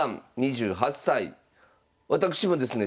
私もですね